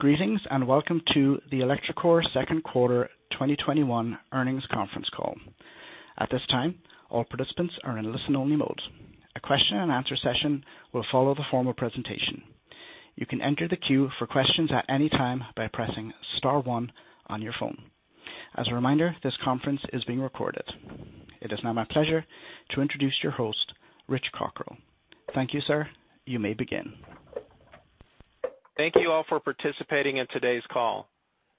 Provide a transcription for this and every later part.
Greetings and welcome to the ElectroCore Second Quarter 2021 earnings conference call. At this time, all participants are in listen-only mode. A question and answer session will follow the formal presentation. You can enter the queue for questions at any time by pressing star one on your phone. As a reminder, this conference is being recorded. It is now my pleasure to introduce your host, Rich Cockrell. Thank you, sir. You may begin. Thank you all for participating in today's call.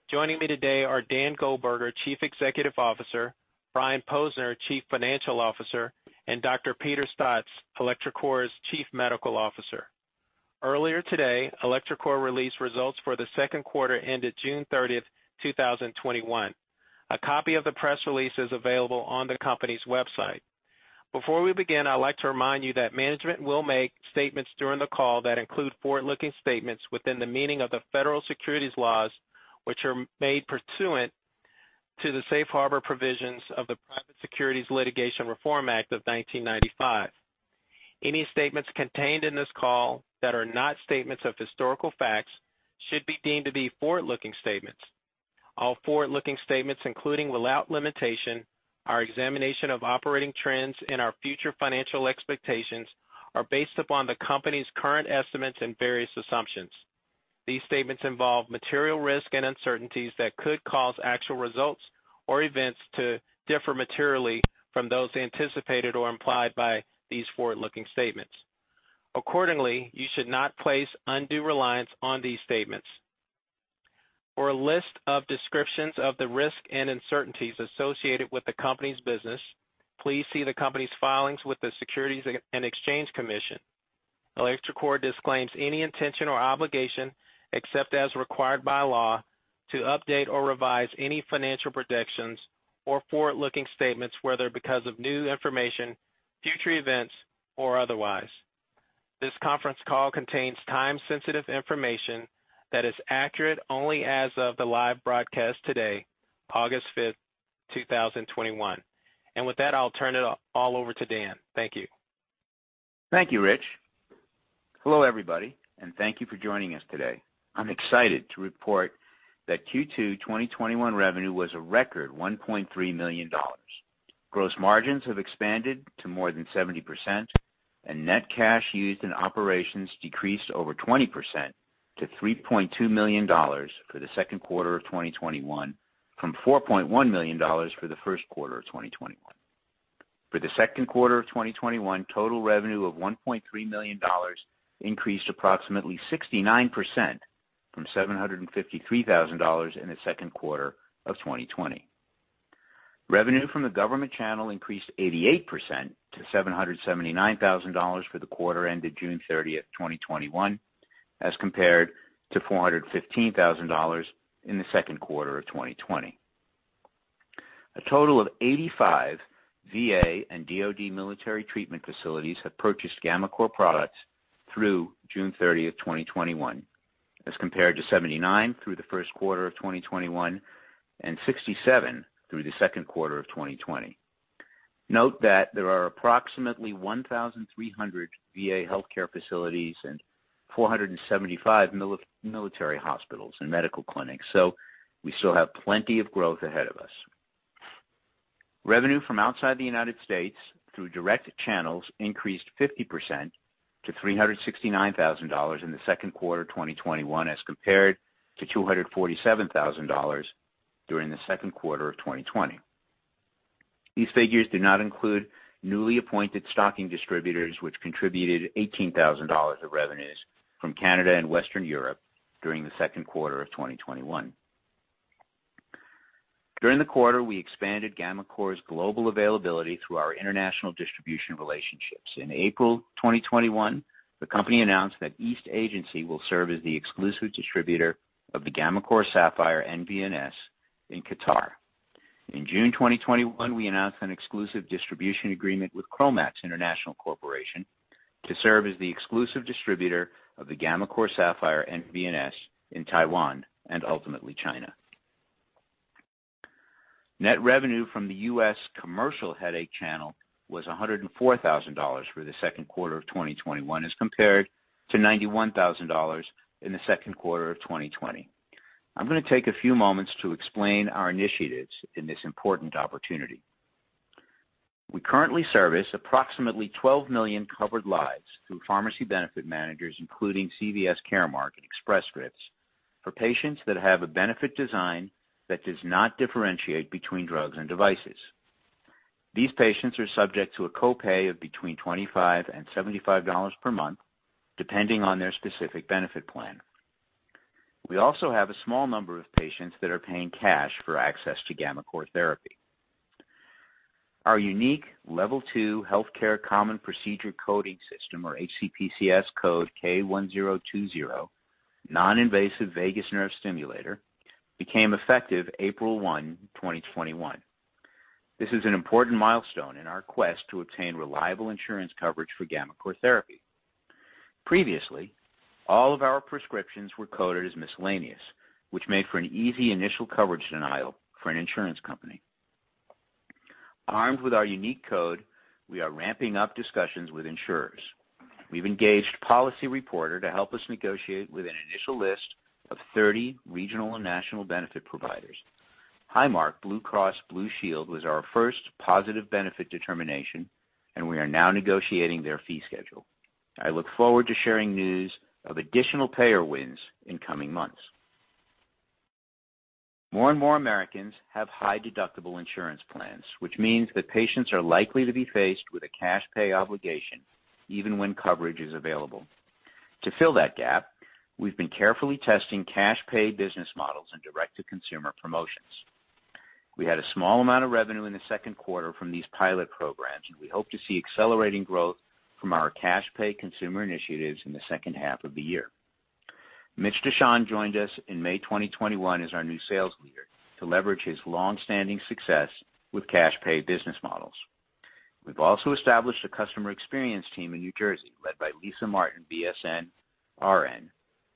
Joining me today are Dan Goldberger, Chief Executive Officer, Brian Posner, Chief Financial Officer, and Dr. Peter Staats, electroCore's Chief Medical Officer. Earlier today, electroCore released results for the second quarter ended June 30, 2021. A copy of the press release is available on the company's website. Before we begin, I'd like to remind you that management will make statements during the call that include forward-looking statements within the meaning of the federal securities laws, which are made pursuant to the safe harbor provisions of the Private Securities Litigation Reform Act of 1995. Any statements contained in this call that are not statements of historical facts should be deemed to be forward-looking statements. All forward-looking statements, including without limitation, our examination of operating trends and our future financial expectations, are based upon the company's current estimates and various assumptions. These statements involve material risk and uncertainties that could cause actual results or events to differ materially from those anticipated or implied by these forward-looking statements. Accordingly, you should not place undue reliance on these statements. For a list of descriptions of the risks and uncertainties associated with the company's business, please see the company's filings with the Securities and Exchange Commission. electroCore disclaims any intention or obligation, except as required by law, to update or revise any financial predictions or forward-looking statements, whether because of new information, future events, or otherwise. This conference call contains time-sensitive information that is accurate only as of the live broadcast today, August 5th, 2021. And with that, I'll turn it all over to Dan. Thank you. Thank you, Rich. Hello, everybody, and thank you for joining us today. I'm excited to report that Q2 2021 revenue was a record $1.3 million. Gross margins have expanded to more than 70%, and net cash used in operations decreased over 20% to $3.2 million for the second quarter of 2021 from $4.1 million for the first quarter of 2021. For the second quarter of 2021, total revenue of $1.3 million increased approximately 69% from $753,000 in the second quarter of 2020. Revenue from the government channel increased 88% to $779,000 for the quarter ended June 30th, 2021, as compared to $415,000 in the second quarter of 2020. A total of 85 VA and DoD military treatment facilities have purchased gammaCore products through June 30th, 2021. As compared to 79 through the first quarter of 2021, and 67 through the second quarter of 2020. Note that there are approximately 1,300 VA healthcare facilities and 475 military hospitals and medical clinics. We still have plenty of growth ahead of us. Revenue from outside the United States through direct channels increased 50% to $369,000 in the second quarter of 2021, as compared to $247,000 during the second quarter of 2020. These figures do not include newly appointed stocking distributors, which contributed $18,000 of revenues from Canada and Western Europe during the second quarter of 2021. During the quarter, we expanded gammaCore's global availability through our international distribution relationships. In April 2021, the company announced that East Agency will serve as the exclusive distributor of the gammaCore Sapphire nVNS in Qatar. In June 2021, we announced an exclusive distribution agreement with Kromax International Corporation to serve as the exclusive distributor of the gammaCore Sapphire nVNS in Taiwan and ultimately China. Net revenue from the U.S. commercial headache channel was $104,000 for the second quarter of 2021 as compared to $91,000 in the second quarter of 2020. I'm going to take a few moments to explain our initiatives in this important opportunity. We currently service approximately 12 million covered lives through pharmacy benefit managers, including CVS Caremark, Express Scripts, for patients that have a benefit design that does not differentiate between drugs and devices. These patients are subject to a copay of between $25 and $75 per month, depending on their specific benefit plan. We also have a small number of patients that are paying cash for access to gammaCore therapy. Our unique Level II Healthcare Common Procedure Coding System or HCPCS code K1020, non-invasive vagus nerve stimulator, became effective April 1, 2021. This is an important milestone in our quest to obtain reliable insurance coverage for gammaCore therapy. Previously, all of our prescriptions were coded as miscellaneous, which made for an easy initial coverage denial for an insurance company. Armed with our unique code, we are ramping up discussions with insurers. We've engaged Policy Reporter to help us negotiate with an initial list of 30 regional and national benefit providers. Highmark Blue Cross Blue Shield was our first positive benefit determination, and we are now negotiating their fee schedule. I look forward to sharing news of additional payer wins in coming months. More and more Americans have high-deductible insurance plans, which means that patients are likely to be faced with a cash pay obligation even when coverage is available. To fill that gap, we've been carefully testing cash pay business models and direct-to-consumer promotions. We had a small amount of revenue in the second quarter from these pilot programs, and we hope to see accelerating growth from our cash pay consumer initiatives in the second half of the year. Mitch DeShon joined us in May 2021 as our new sales leader to leverage his long-standing success with cash pay business models. We've also established a customer experience team in New Jersey, led by Lisa Martin, BSN, RN,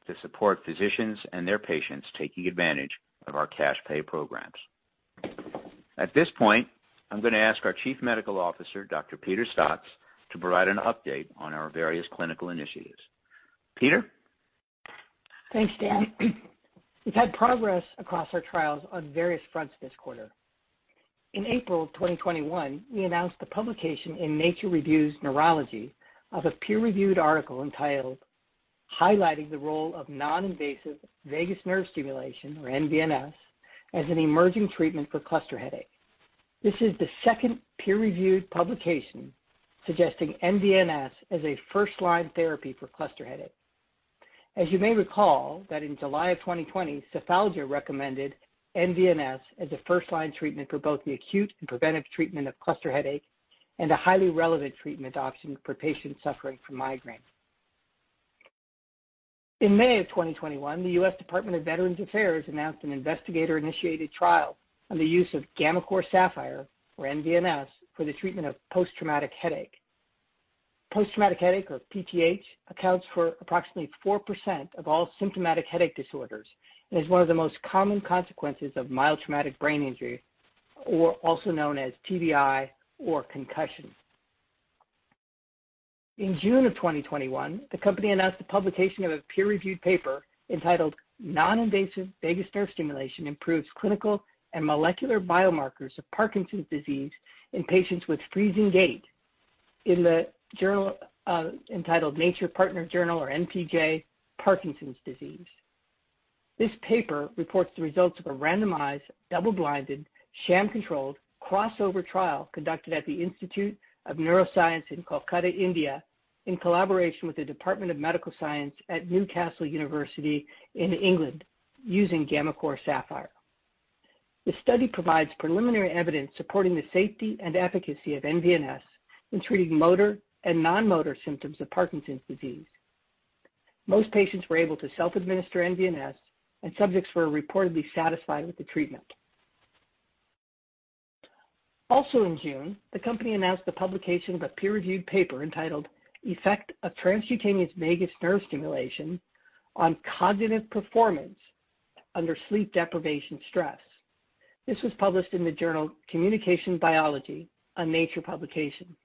to support physicians and their patients taking advantage of our cash pay programs. At this point, I'm going to ask our Chief Medical Officer, Dr. Peter Staats, to provide an update on our various clinical initiatives. Peter? Thanks, Dan. We've had progress across our trials on various fronts this quarter. In April 2021, we announced the publication in Nature Reviews Neurology of a peer-reviewed article entitled, "Highlighting the Role of Non-Invasive Vagus Nerve Stimulation, or nVNS, as an Emerging Treatment for Cluster Headache." This is the second peer-reviewed publication suggesting nVNS as a first-line therapy for cluster headache. As you may recall that in July of 2020, Cephalalgia recommended nVNS as a first-line treatment for both the acute and preventive treatment of cluster headache and a highly relevant treatment option for patients suffering from migraine. In May of 2021, the US Department of Veterans Affairs announced an investigator-initiated trial on the use of gammaCore Sapphire or nVNS for the treatment of post-traumatic headache. Post-traumatic headache, or PTH, accounts for approximately 4% of all symptomatic headache disorders and is one of the most common consequences of mild traumatic brain injury, or also known as TBI or concussion. In June of 2021, the company announced the publication of a peer-reviewed paper entitled "Non-Invasive Vagus Nerve Stimulation Improves Clinical and Molecular Biomarkers of Parkinson's disease in Patients with Freezing Gait" in the journal, entitled Nature Partner Journal or npj Parkinson's Disease. This paper reports the results of a randomized, double-blinded, sham-controlled, crossover trial conducted at the Institute of Neurosciences Kolkata in collaboration with the Department of Medical Science at Newcastle University using gammaCore Sapphire. The study provides preliminary evidence supporting the safety and efficacy of nVNS in treating motor and non-motor symptoms of Parkinson's disease. Most patients were able to self-administer nVNS, and subjects were reportedly satisfied with the treatment. Also in June, the company announced the publication of a peer-reviewed paper entitled "Effect of Transcutaneous Vagus Nerve Stimulation on Cognitive Performance Under Sleep Deprivation Stress." This was published in the journal Communications Biology, a Nature publication.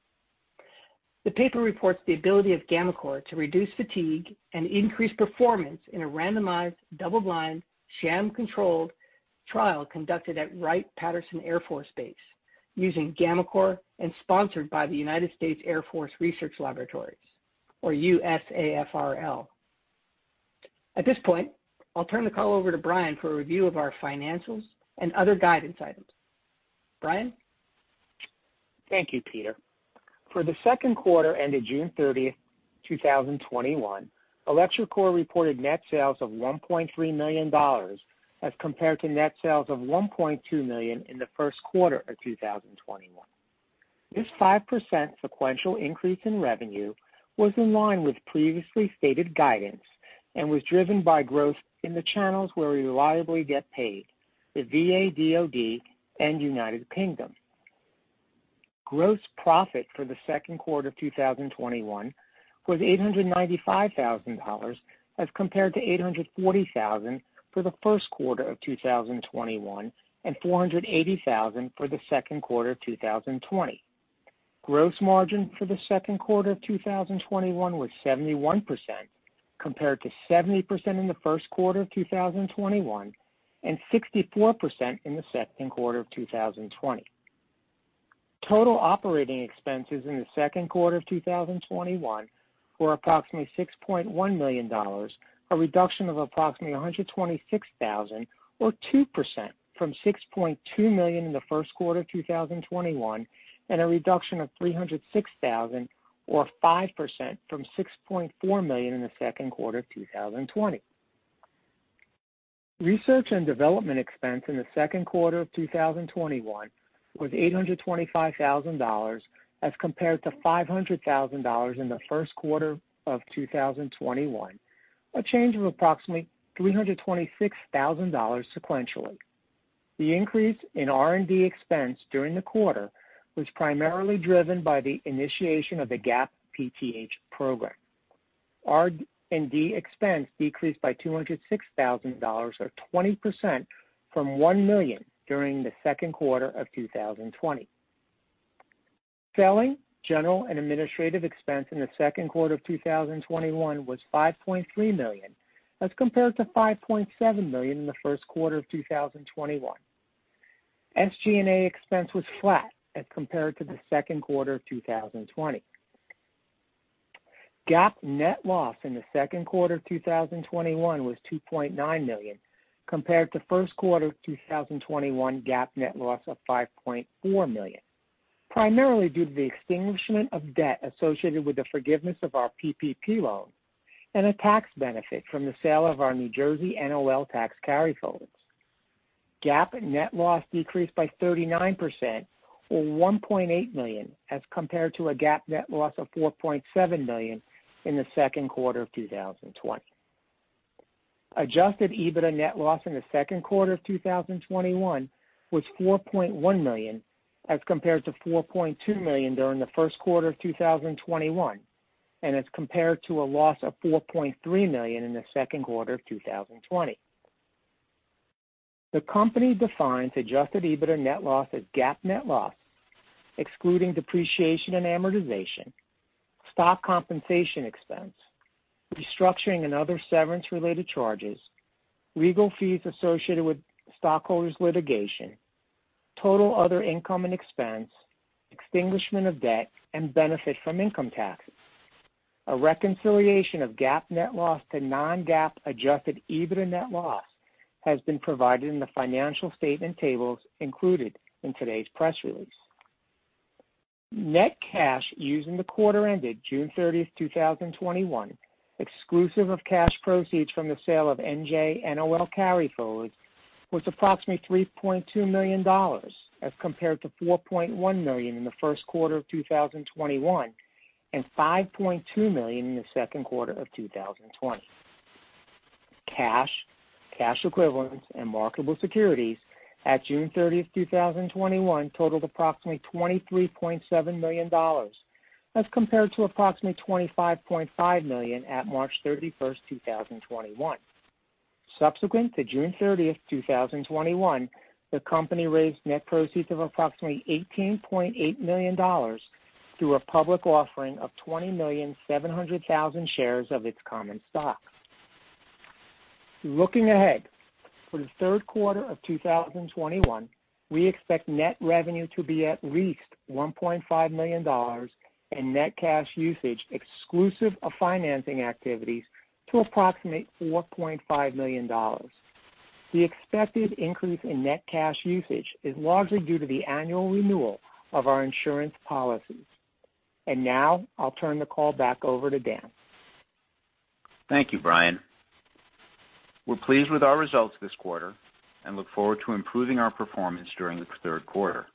The paper reports the ability of gammaCore to reduce fatigue and increase performance in a randomized, double-blind, sham-controlled trial conducted at Wright-Patterson Air Force Base using gammaCore and sponsored by the U.S. Air Force Research Laboratories, or USAFRL. At this point, I'll turn the call over to Brian for a review of our financials and other guidance items. Brian? Thank you, Peter. For the second quarter ended June 30, 2021, electroCore reported net sales of $1.3 million as compared to net sales of $1.2 million in the first quarter of 2021. This 5% sequential increase in revenue was in line with previously stated guidance and was driven by growth in the channels where we reliably get paid, the VA, DoD, and United Kingdom. Gross profit for the second quarter of 2021 was $895,000 as compared to $840,000 for the first quarter of 2021 and $480,000 for the second quarter of 2020. Gross margin for the second quarter of 2021 was 71%, compared to 70% in the first quarter of 2021 and 64% in the second quarter of 2020. Total operating expenses in the second quarter of 2021 were approximately $6.1 million, a reduction of approximately $126,000, or 2%, from $6.2 million in the first quarter of 2021 and a reduction of $306,000, or 5%, from $6.4 million in the second quarter of 2020. Research and development expense in the second quarter of 2021 was $825,000 as compared to $500,000 in the first quarter of 2021, a change of approximately $326,000 sequentially. The increase in R&D expense during the quarter was primarily driven by the initiation of the GAP-PTH program. R&D expense decreased by $206,000, or 20%, from $1 million during the second quarter of 2020. Selling, general, and administrative expense in the second quarter of 2021 was $5.3 million as compared to $5.7 million in the first quarter of 2021. SG&A expense was flat as compared to the second quarter of 2020. GAAP net loss in the second quarter 2021 was $2.9 million compared to first quarter 2021 GAAP net loss of $5.4 million, primarily due to the extinguishment of debt associated with the forgiveness of our PPP loan and a tax benefit from the sale of our NJ NOL tax carryforwards. GAAP net loss decreased by 39%, or $1.8 million, as compared to a GAAP net loss of $4.7 million in the second quarter of 2020. Adjusted EBITDA net loss in the second quarter of 2021 was $4.1 million as compared to $4.2 million during the first quarter of 2021, and as compared to a loss of $4.3 million in the second quarter of 2020. The company defines adjusted EBITDA net loss as GAAP net loss, excluding depreciation and amortization, stock compensation expense, restructuring and other severance-related charges, legal fees associated with stockholders litigation, total other income and expense, extinguishment of debt, and benefit from income taxes. A reconciliation of GAAP net loss to non-GAAP adjusted EBITDA net loss has been provided in the financial statement tables included in today's press release. Net cash used in the quarter ended June 30th, 2021, exclusive of cash proceeds from the sale of NJ NOL carryforwards, was approximately $3.2 million as compared to $4.1 million in the first quarter of 2021 and $5.2 million in the second quarter of 2020. Cash, cash equivalents, and marketable securities at June 30th, 2021 totaled approximately $23.7 million as compared to approximately $25.5 million at March 31st, 2021. Subsequent to June 30th, 2021, the company raised net proceeds of approximately $18.8 million through a public offering of 20,700,000 shares of its common stock. Looking ahead, for the third quarter of 2021, we expect net revenue to be at least $1.5 million and net cash usage, exclusive of financing activities, to approximate $4.5 million. The expected increase in net cash usage is largely due to the annual renewal of our insurance policies. Now I'll turn the call back over to Dan. Thank you, Brian. We're pleased with our results this quarter and look forward to improving our performance during the third quarter.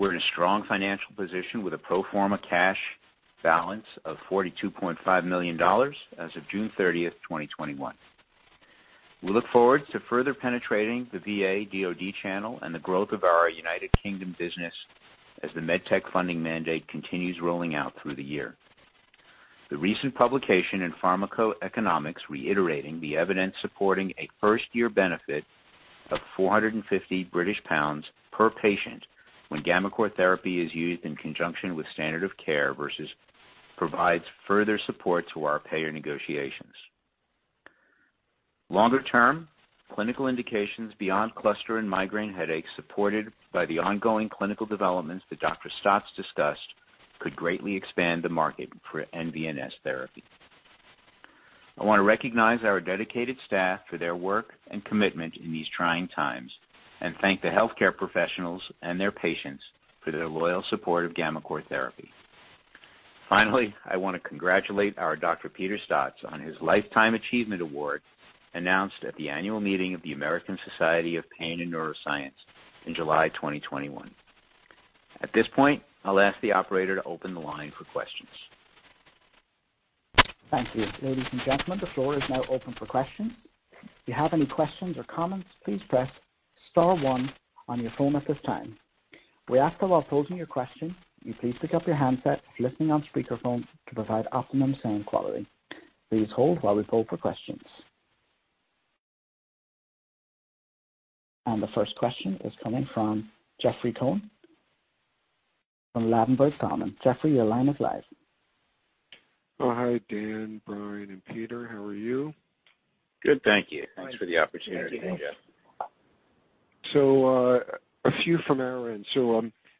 We're in a strong financial position with a pro forma cash balance of $42.5 million as of June 30th, 2021. We look forward to further penetrating the VA/DoD channel and the growth of our United Kingdom business as the MedTech Funding Mandate continues rolling out through the year. The recent publication in PharmacoEconomics reiterating the evidence supporting a first-year benefit of 450 British pounds per patient when gammaCore therapy is used in conjunction with standard of care versus provides further support to our payer negotiations. Longer term, clinical indications beyond cluster and migraine headaches supported by the ongoing clinical developments that Dr. Staats discussed could greatly expand the market for nVNS therapy. I want to recognize our dedicated staff for their work and commitment in these trying times, and thank the healthcare professionals and their patients for their loyal support of gammaCore therapy. Finally, I want to congratulate our Dr. Peter Staats on his Lifetime Achievement Award announced at the annual meeting of the American Society of Pain and Neuroscience in July 2021. At this point, I'll ask the operator to open the line for questions. Thank you. Ladies and gentlemen, the floor is now open for questions. If you have any questions and comments please press star one on your phone at this time. We ask that while holding your question, you please pick up your handset, listening on your speakerphone to provide optimum sound quality. Please hold while we poll for questions. The first question is coming from Jeffrey Cohen from Ladenburg Thalmann. Jeffrey, your line is live. Oh, hi, Dan, Brian, and Peter. How are you? Good, thank you. Thanks for the opportunity. A few from our end.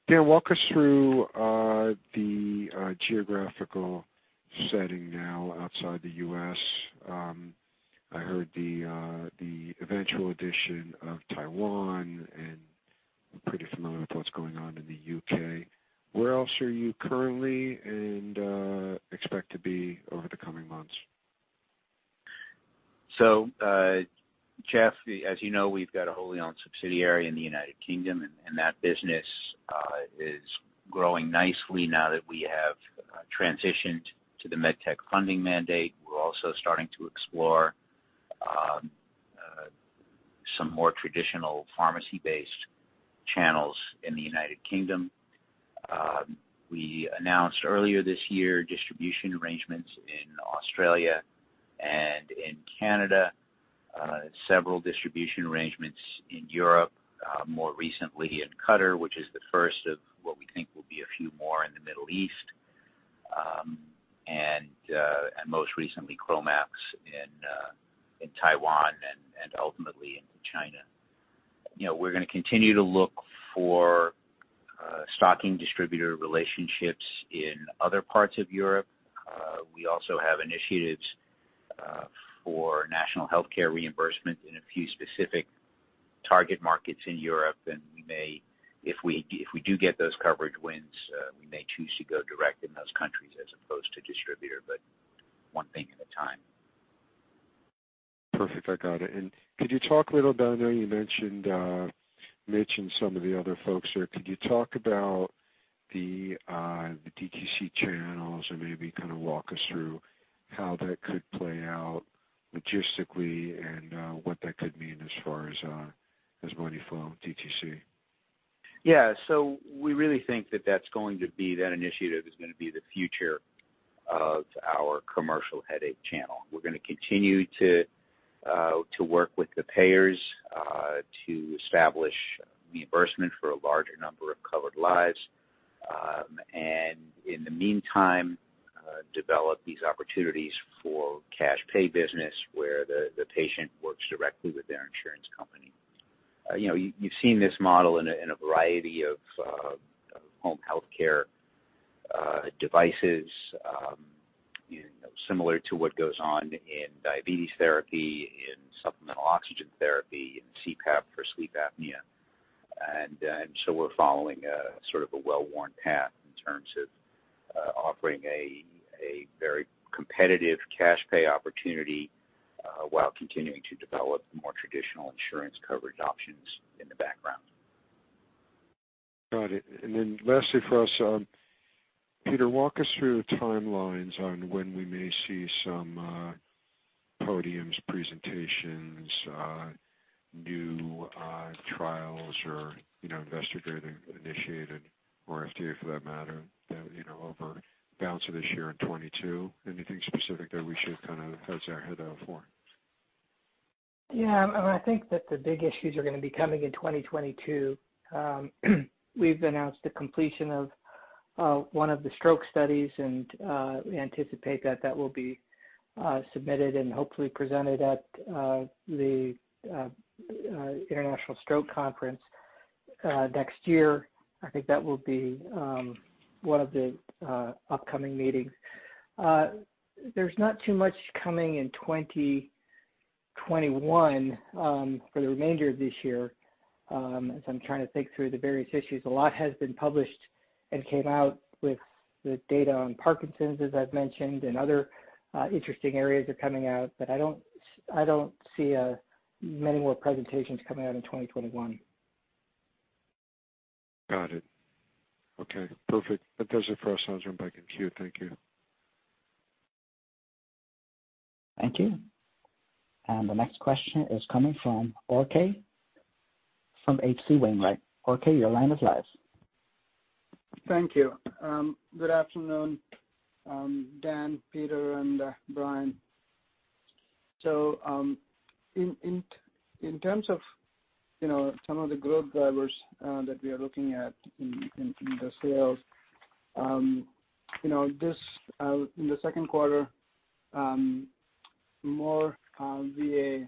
Dan, walk us through the geographical setting now outside the U.S. I heard the eventual addition of Taiwan, and I'm pretty familiar with what's going on in the U.K. Where else are you currently and expect to be over the coming months? Jeff, as you know, we've got a wholly owned subsidiary in the U.K., and that business is growing nicely now that we have transitioned to the MedTech Funding Mandate. We're also starting to explore some more traditional pharmacy-based channels in the U.K. We announced earlier this year distribution arrangements in Australia and in Canada, several distribution arrangements in Europe, more recently in Qatar, which is the first of what we think will be a few more in the Middle East. Most recently, Kromax in Taiwan and ultimately in China. We're going to continue to look for stocking distributor relationships in other parts of Europe. We also have initiatives for national healthcare reimbursement in a few specific target markets in Europe. If we do get those coverage wins, we may choose to go direct in those countries as opposed to distributor. One thing at a time. Perfect, I got it. Could you talk a little about, I know you mentioned Mitch and some of the other folks here, could you talk about the DTC channels and maybe kind of walk us through how that could play out logistically and what that could mean as far as money flow in DTC? We really think that that initiative is going to be the future of our commercial headache channel. We're going to continue to work with the payers to establish reimbursement for a larger number of covered lives. In the meantime, develop these opportunities for cash pay business, where the patient works directly with their insurance company. You've seen this model in a variety of home healthcare devices, similar to what goes on in diabetes therapy, in supplemental oxygen therapy, in CPAP for sleep apnea. We're following a sort of a well-worn path in terms of offering a very competitive cash pay opportunity while continuing to develop more traditional insurance coverage options in the background. Got it. Lastly for us, Peter, walk us through timelines on when we may see some podiums, presentations, new trials or investigator-initiated or FDA for that matter, over the balance of this year in 2022. Anything specific that we should kind of have our head out for? Yeah. I think that the big issues are going to be coming in 2022. We've announced the completion of one of the stroke studies, and we anticipate that that will be submitted and hopefully presented at the International Stroke Conference next year. I think that will be one of the upcoming meetings. There's not too much coming in 2021 for the remainder of this year. As I'm trying to think through the various issues, a lot has been published and came out with the data on Parkinson's, as I've mentioned, and other interesting areas are coming out. I don't see many more presentations coming out in 2021. Got it. Okay, perfect. That does it for us. I'll turn it back in queue. Thank you. Thank you. The next question is coming from RK from H.C. Wainwright. RK, your line is live. Thank you. Good afternoon Dan, Peter, and Brian. In terms of some of the growth drivers that we are looking at in the sales. In the second quarter, more VA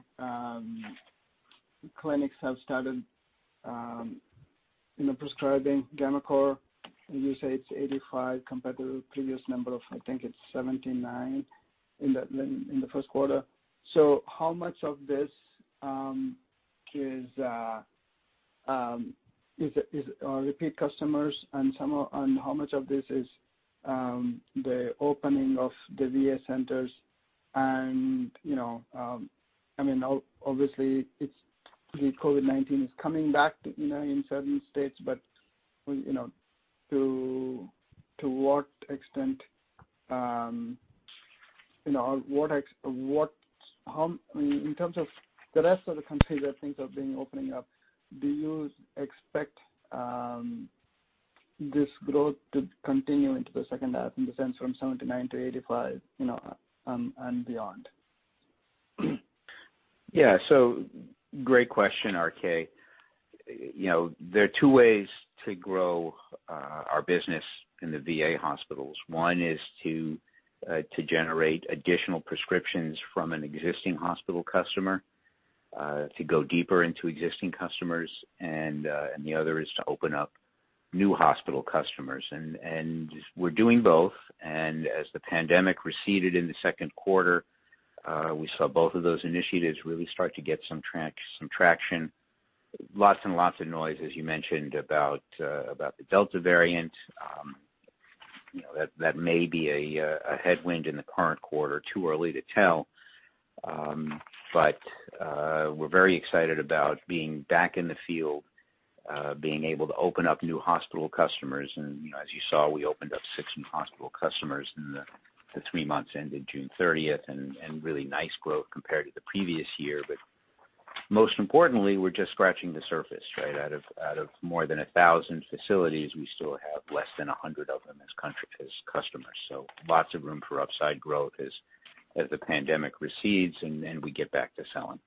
clinics have started prescribing gammaCore, and you say it's 85 compared to the previous number of, I think it's 79 in the first quarter. How much of this is repeat customers, and how much of this is the opening of the VA centers and, obviously COVID-19 is coming back in certain states, but to what extent, in terms of the rest of the country that things have been opening up, do you expect this growth to continue into the second half in the sense from 79 to 85 and beyond? Yeah. Great question, RK. There are two ways to grow our business in the VA hospitals. One is to generate additional prescriptions from an existing hospital customer, to go deeper into existing customers, and the other is to open up new hospital customers. We're doing both, and as the pandemic receded in the second quarter, we saw both of those initiatives really start to get some traction. Lots and lots of noise, as you mentioned, about the Delta variant. That may be a headwind in the current quarter. Too early to tell. We're very excited about being back in the field, being able to open up new hospital customers. As you saw, we opened up 16 hospital customers in the three months ended June 30th, and really nice growth compared to the previous year. Most importantly, we're just scratching the surface, right? Out of more than 1,000 facilities, we still have less than 100 of them as customers. Lots of room for upside growth as the pandemic recedes and we get back to selling.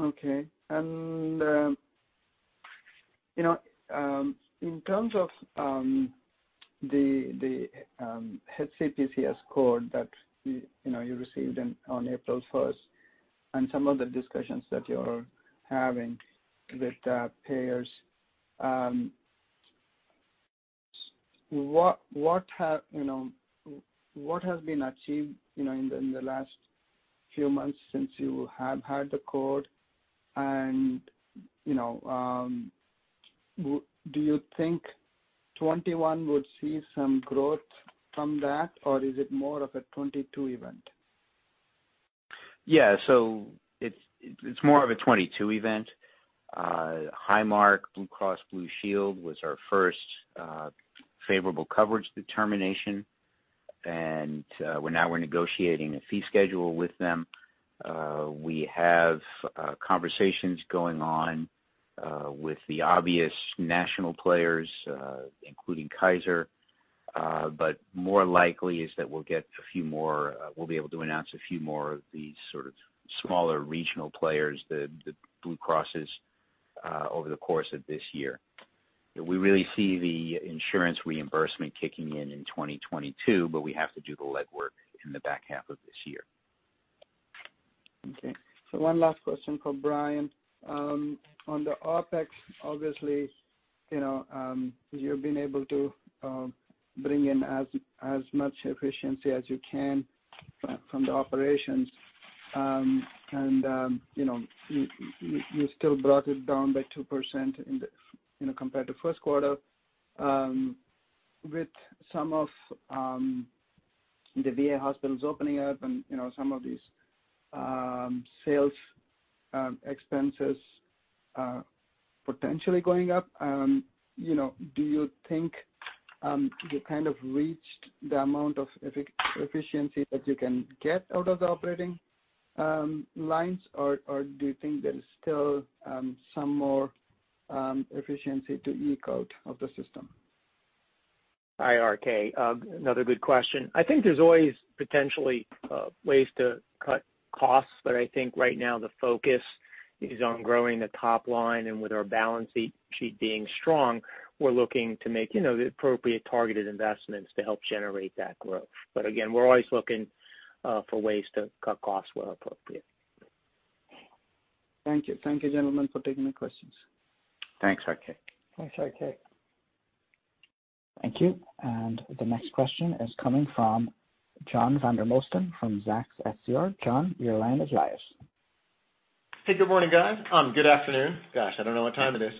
Okay. In terms of the HCPCS code that you received on April 1st and some of the discussions that you're having with the payers, what has been achieved in the last few months since you have had the code, do you think 2021 would see some growth from that or is it more of a 2022 event? It's more of a 2022 event. Highmark Blue Cross Blue Shield was our first favorable coverage determination, now we're negotiating a fee schedule with them. We have conversations going on with the obvious national players, including Kaiser. More likely is that we'll be able to announce a few more of these sort of smaller regional players, the Blue Crosses, over the course of this year. We really see the insurance reimbursement kicking in in 2022, we have to do the legwork in the back half of this year. One last question for Brian. On the OpEx, obviously, you've been able to bring in as much efficiency as you can from the operations. You still brought it down by 2% compared to first quarter. With some of the VA hospitals opening up and some of these sales expenses potentially going up, do you think you kind of reached the amount of efficiency that you can get out of the operating lines, or do you think there's still some more efficiency to eke out of the system? Hi, RK. Another good question. I think there's always potentially ways to cut costs. I think right now the focus is on growing the top line, and with our balance sheet being strong, we're looking to make the appropriate targeted investments to help generate that growth. Again, we're always looking for ways to cut costs where appropriate. Thank you. Thank you, gentlemen, for taking the questions. Thanks, RK. Thanks, RK. Thank you. The next question is coming from John Vandermosten from Zacks SCR. John, your line is live. Hey, good morning, guys. Good afternoon. Gosh, I don't know what time it is.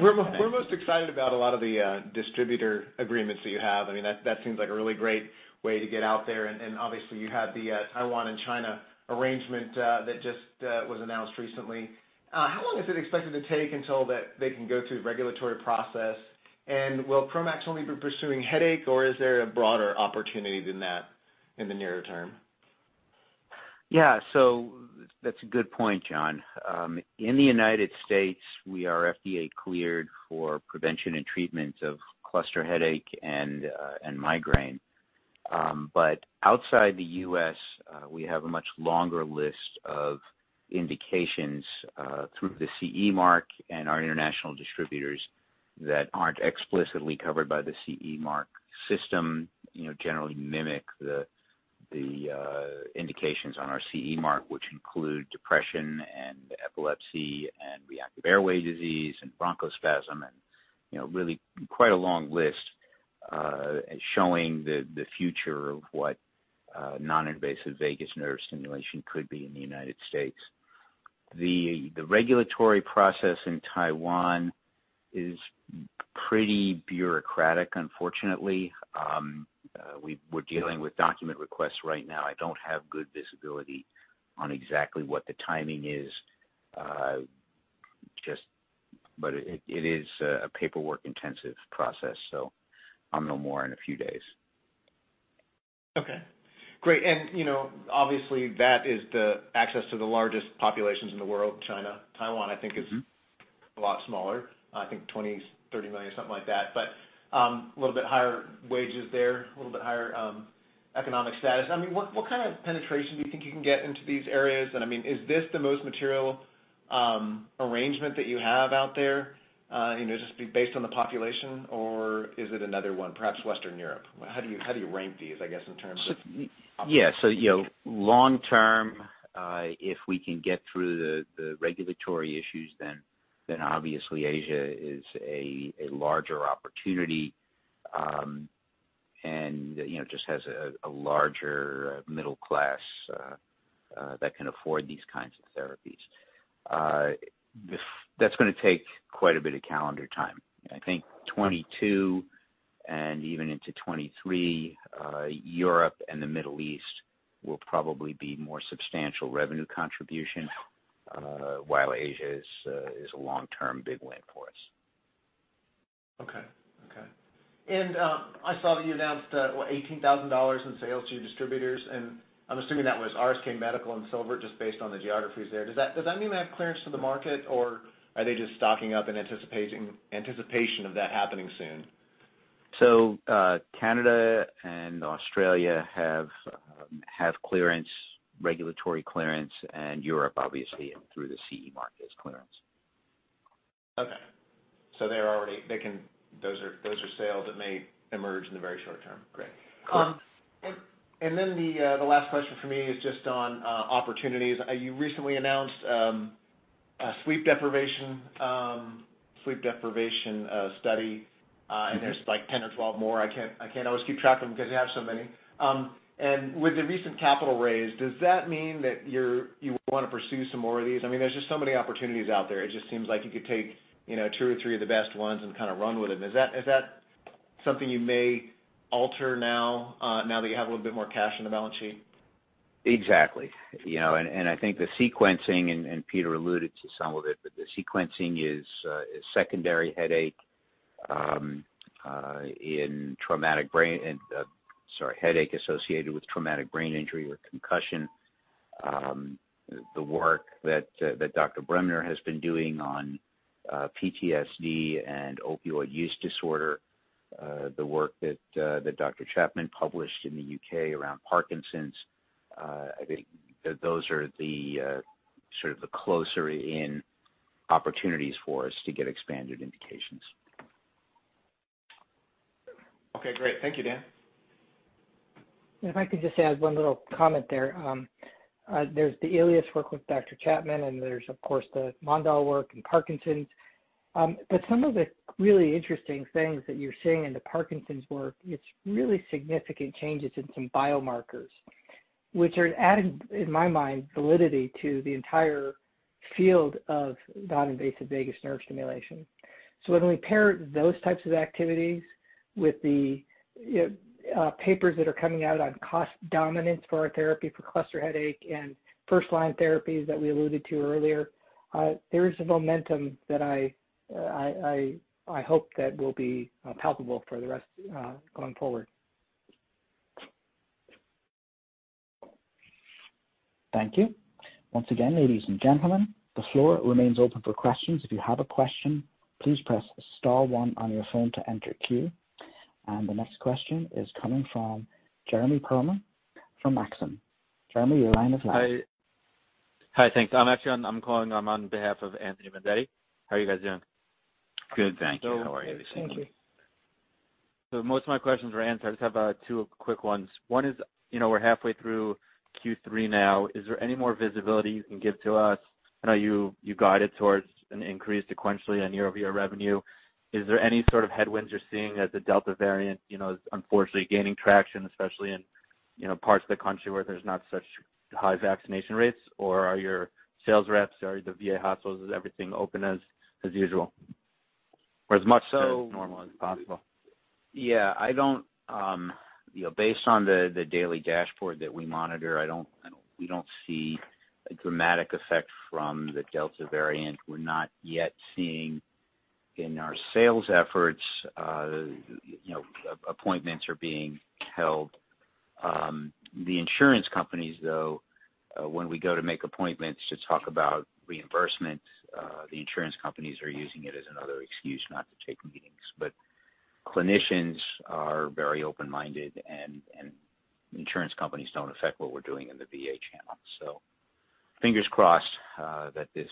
We're most excited about a lot of the distributor agreements that you have. That seems like a really great way to get out there. Obviously you had the Taiwan and China arrangement that just was announced recently. How long is it expected to take until they can go through regulatory process? Will Kromax only be pursuing headache, or is there a broader opportunity than that in the nearer term? That's a good point, John. In the U.S., we are FDA cleared for prevention and treatment of cluster headache and migraine. Outside the U.S., we have a much longer list of indications through the CE mark and our international distributors that aren't explicitly covered by the CE mark system, generally mimic the indications on our CE mark, which include depression and epilepsy and reactive airway disease and bronchospasm, and really quite a long list showing the future of what non-invasive vagus nerve stimulation could be in the U.S. The regulatory process in Taiwan is pretty bureaucratic, unfortunately. We're dealing with document requests right now. I don't have good visibility on exactly what the timing is. It is a paperwork-intensive process, so I'll know more in a few days. Okay, great. Obviously that is the access to the largest populations in the world, China. Taiwan, I think is a lot smaller. I think 20, 30 million, something like that. A little bit higher wages there, a little bit higher economic status. What kind of penetration do you think you can get into these areas? Is this the most material arrangement that you have out there just based on the population, or is it another one, perhaps Western Europe? How do you rank these, I guess, in terms of- Yeah. Long term, if we can get through the regulatory issues, obviously Asia is a larger opportunity, just has a larger middle class that can afford these kinds of therapies. That's going to take quite a bit of calendar time. I think 2022 and even into 2023, Europe and the Middle East will probably be more substantial revenue contribution, while Asia is a long-term big win for us. Okay. I saw that you announced, what, $18,000 in sales to your distributors, and I'm assuming that was RSK Medical and Silvert Medical, just based on the geographies there. Does that mean they have clearance to the market, or are they just stocking up in anticipation of that happening soon? Canada and Australia have regulatory clearance, and Europe obviously through the CE mark has clearance. Okay. Those are sales that may emerge in the very short term. Great. Correct. The last question from me is just on opportunities. You recently announced a sleep deprivation study. There's 10 or 12 more. I can't always keep track of them because you have so many. With the recent capital raise, does that mean that you want to pursue some more of these? There's just so many opportunities out there. It just seems like you could take two or three of the best ones and kind of run with them. Is that something you may alter now that you have a little bit more cash on the balance sheet? Exactly. I think the sequencing, and Peter alluded to some of it, but the sequencing is secondary headache associated with traumatic brain injury or concussion. The work that Dr. Bremner has been doing on PTSD and opioid use disorder. The work that Dr. Chapman published in the U.K. around Parkinson's. I think that those are the sort of the closer in opportunities for us to get expanded indications. Okay, great. Thank you, Dan. If I could just add one little comment there. There's the alias work with Dr. Chapman, and there's, of course, the Mondal work in Parkinson's. Some of the really interesting things that you're seeing in the Parkinson's work, it's really significant changes in some biomarkers, which are adding, in my mind, validity to the entire field of non-invasive vagus nerve stimulation. When we pair those types of activities with the papers that are coming out on cost dominance for our therapy for cluster headache and first-line therapies that we alluded to earlier, there is a momentum that I hope that will be palpable for the rest going forward. Thank you. Once again, ladies and gentlemen, the floor remains open for questions. The next question is coming from Jeremy Pearlman from Maxim. Jeremy, your line is live. Hi. Thanks. I'm actually calling on behalf of Anthony Vendetti. How are you guys doing? Good, thank you. How are you this evening? Thank you. Most of my questions were answered. I just have two quick ones. One is, we're halfway through Q3 now. Is there any more visibility you can give to us? I know you guided towards an increase sequentially on year-over-year revenue. Is there any sort of headwinds you're seeing as the Delta variant is unfortunately gaining traction, especially in parts of the country where there's not such high vaccination rates, or are your sales reps, are the VA hospitals, is everything open as usual? Or as much normal as possible? Yeah. Based on the daily dashboard that we monitor, we don't see a dramatic effect from the Delta variant. We're not yet seeing in our sales efforts, appointments are being held. The insurance companies, though when we go to make appointments to talk about reimbursement, the insurance companies are using it as another excuse not to take meetings. Clinicians are very open-minded, and insurance companies don't affect what we're doing in the VA channel. Fingers crossed that this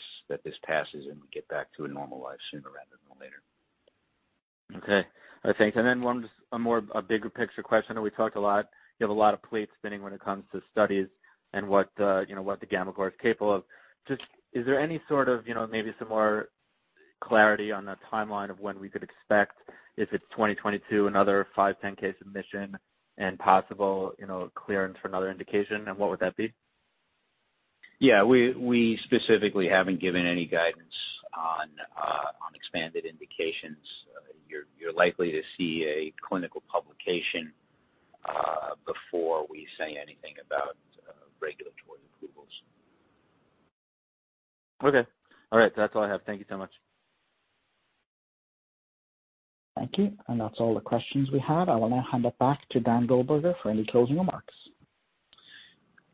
passes, and we get back to a normal life sooner rather than later. Okay. Thanks. One just a more bigger picture question. I know we talked a lot, you have a lot of plates spinning when it comes to studies and what the gammaCore is capable of. Just, is there any sort of maybe some more clarity on the timeline of when we could expect, if it's 2022, another 510 submission and possible clearance for another indication, and what would that be? Yeah. We specifically haven't given any guidance on expanded indications. You're likely to see a clinical publication before we say anything about regulatory approvals. Okay. All right. That's all I have. Thank you so much. Thank you. That's all the questions we have. I will now hand it back to Dan Goldberger for any closing remarks.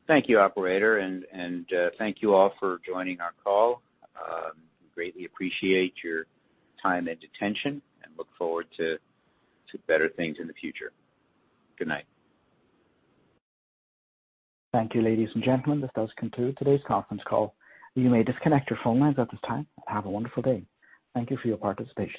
Thank you, operator, and thank you all for joining our call. Greatly appreciate your time and attention, and look forward to better things in the future. Good night. Thank you, ladies and gentlemen. This does conclude today's conference call. You may disconnect your phone lines at this time. Have a wonderful day. Thank you for your participation.